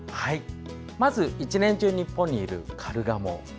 まず１年中日本にいるカルガモ。